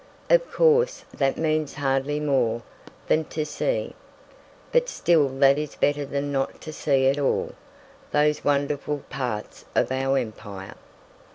Of course, that means hardly more than "to see," but still that is better than not to see at all, those wonderful parts of our empire.